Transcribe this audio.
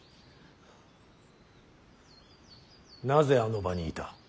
なぜあの場にいた。